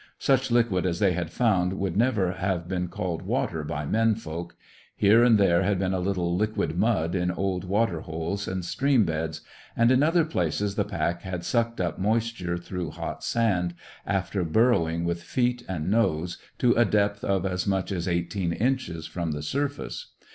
Such liquid as they had found would never have been called water by men folk. Here and there had been a little liquid mud in old water holes and stream beds, and in other places the pack had sucked up moisture through hot sand, after burrowing with feet and nose to a depth of as much as eighteen inches from the surface.